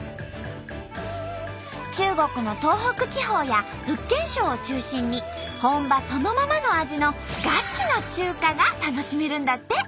中国の東北地方や福建省を中心に本場そのままの味のガチの中華が楽しめるんだって！